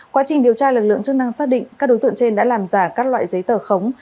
quá trình điều tra lực lượng chức năng xác định các đối tượng trên đã làm giả các loại giấy tờ khống